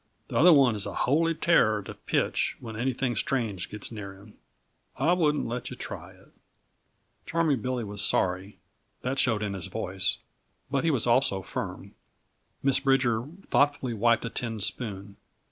The other one is a holy terror to pitch when anything strange gets near him. I wouldn't let yuh try it." Charming Billy was sorry that showed in his voice but he was also firm. Miss Bridger thoughtfully wiped a tin spoon.